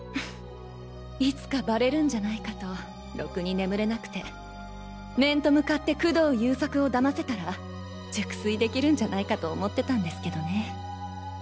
いつかバレるんじゃないかとロクに眠れなくて面と向かって工藤優作をだませたら熟睡できるんじゃないかと思ってたんですけどね。